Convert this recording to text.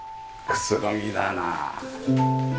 くつろぎだなあ。